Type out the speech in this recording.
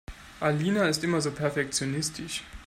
Alina ist immer so perfektionistisch.